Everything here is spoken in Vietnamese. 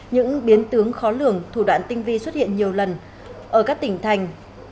những biến tướng khó lường thủ đoạn tinh vi xuất hiện nhiều lần ở các tỉnh thành